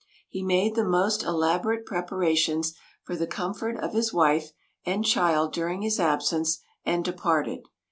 He made the most elaborate preparations for the comfort of his wife and child during his absence, and departed.